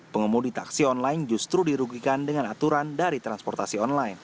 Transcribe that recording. pengemudi taksi online justru dirugikan dengan aturan dari transportasi online